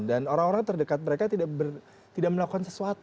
dan orang orang terdekat mereka tidak melakukan sesuatu